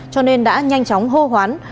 cho nên đã nhanh chóng hô hoán